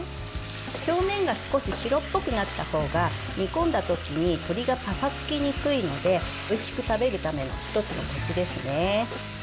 表面が少し白っぽくなったほうが煮込んだときに鶏がパサつきにくいのでおいしく食べるための１つのコツですね。